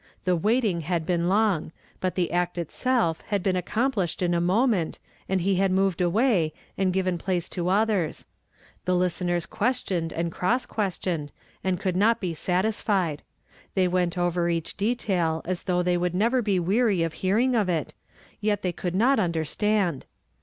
The waiting had been long ; but the act itself had been accomplished in a moment, and he had moved away, and given place to others. The listenei s questioned and cross questioned, and could not be satisfied ; they went over each detail as though they would never be weary of hearing of it, yet they could not understand.